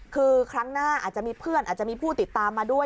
คือครั้งหน้าอาจจะมีเพื่อนอาจจะมีผู้ติดตามมาด้วย